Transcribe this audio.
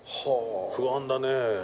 不安だね。